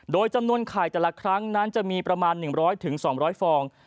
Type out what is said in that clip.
โดยจำนวนไข่แต่ละครั้งนั้นจะมีประมาณ๑๐๐๒๐๐ฟอง